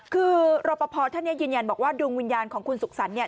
คือรปภท่านเย็นบอกว่าดวงวิญญาณของคุณสุขสรรค์